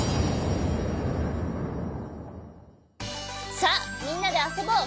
さあみんなであそぼう！